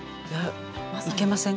いけません？